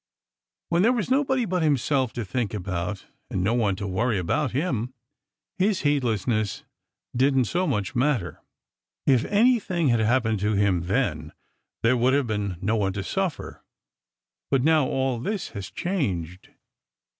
When there was nobody but himself to think about, and no one to worry about him, his heedlessness didn't so much matter. If anything had happened to him then, there would have been no one to suffer. But now all this was changed.